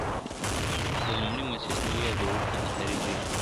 د لومړني موسس مولوي عبدالرؤف کندهاري زوی دئ